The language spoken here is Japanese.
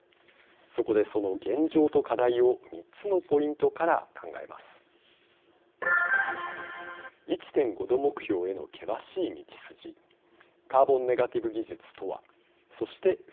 そこで、その現状と課題を３つのポイントから考えます。